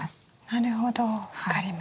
なるほど分かりました。